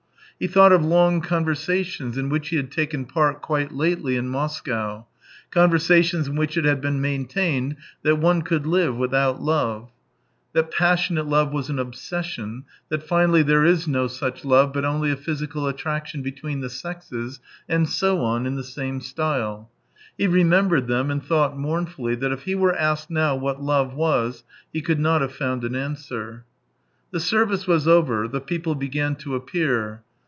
He thought of long conversations in which he had taken part quite lately in Moscow — conversations in which it had been^maintained that one could live without love. I 177 12 178 THE TALES OF TCHEHOV that passionate love was an obsession, that finally there is no such love, but only a physical attraction between the sexes — and so on, in the same style; he remembered them and thought mournfully that if he were asked now what love was, he could not have found an answer. The service was over, the people began to appear.